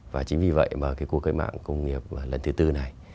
và chính vì vậy mà cái cuộc cách mạng công nghiệp lần thứ tư này